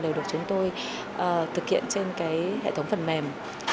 đều được chúng tôi thực hiện trên hệ thống phần mềm